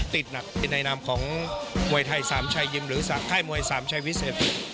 ติดหนักอยู่ในนามของมวยไทยสามชายยิมหรือค่ายมวยสามชัยวิเศษ